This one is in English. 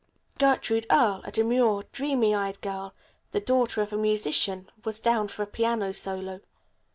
Gertrude Earle, a demure, dreamy eyed girl, the daughter of a musician, was down for a piano solo.